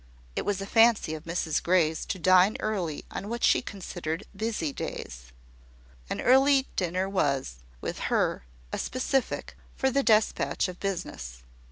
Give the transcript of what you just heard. It was a fancy of Mrs Grey's to dine early on what she considered busy days. An early dinner was, with her, a specific for the despatch of business.